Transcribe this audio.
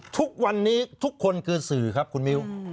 ทุกวันนี้ทุกคนคือสื่อครับคุณมิ้ว